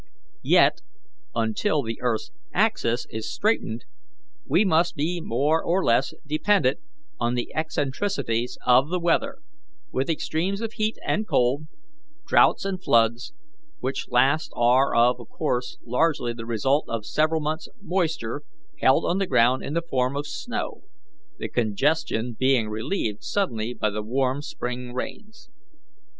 "Yet, until the earth's axis is straightened, we must be more or less dependent on the eccentricities of the weather, with extremes of heat and cold, droughts and floods, which last are of course largely the result of several months' moisture held on the ground in the form of snow, the congestion being relieved suddenly by the warm spring rains.